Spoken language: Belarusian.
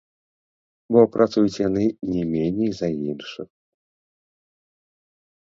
Бо, працуюць яны не меней за іншых.